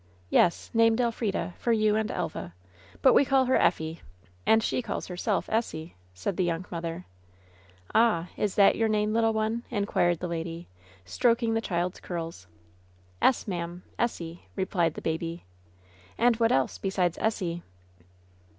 "Yes, named Elfrida, for you and Elva ; but we call her Effie, and she calls herself Essie," said the young mother. "Ah! is that your name, little one!" inquired the lady, stroking the child's curls. "Es, ma'am — ^Essie," replied the baby. "And what else besides Essie?"